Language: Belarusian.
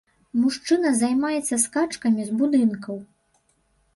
Мужчына займаецца скачкамі з будынкаў.